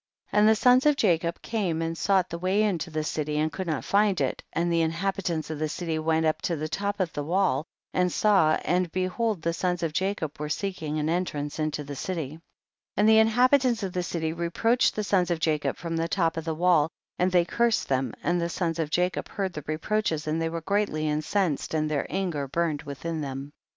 And the sons of Jacob came and sought the way into the city, and could not find it, and the inhabitants of the city went up to the top of the wall, and saw, and behold the sons of Jacob were seeking an entrance into the city. 26. And the inhabitants of the city reproached the sons of Jacob from the top of the wall, and they cursed them, and the sons of Jacob heard the reproaches and they were greatly incensed, and their anger burned within them.